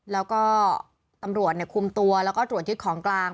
แล้วก็ตำรวจคุมตัวแล้วก็ตรวจยึดของกลาง